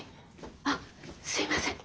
あすいません。